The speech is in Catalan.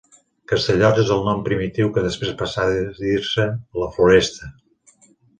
Castellots és el nom primitiu que després passà a dir-se la Floresta.